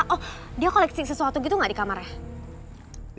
oh dia koleksi sesuatu gitu gak di kamarnya